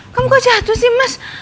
kamu kok jatuh sih mas